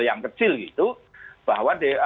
yang kecil gitu bahwa